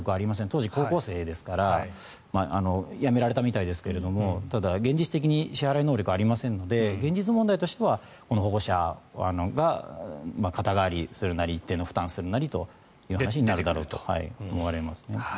当時、高校生ですからやめられたみたいですけれどただ、現実的に支払い能力はありませんので現実問題としてはこの保護者が肩代わりするなり負担するなりという話になるだろうと思われますね。